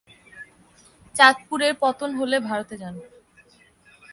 চাঁদপুরের পতন হলে ভারতে যান।